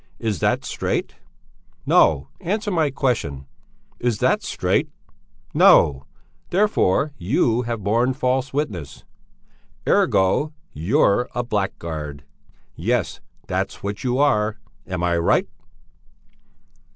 Is that straight? No, answer my question! Is that straight? No! Therefore you have borne false witness. Ergo you're a blackguard! Yes, that's what you are! Am I right?"